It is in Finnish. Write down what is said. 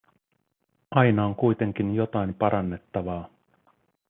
Aina on kuitenkin jotain parannettavaa.